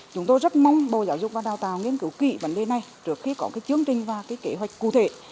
chúng tôi rất mong bộ giáo dục và đào tạo nghiên cứu kỹ vấn đề này trước khi có chương trình và kế hoạch cụ thể